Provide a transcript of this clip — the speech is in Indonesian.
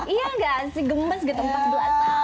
iya gak sih gemes gitu empat belas tahun